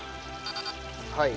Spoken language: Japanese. はい。